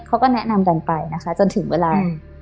เขาก็แนะนำกันไปนะคะจนถึงเวลา